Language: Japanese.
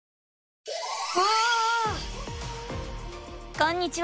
こんにちは！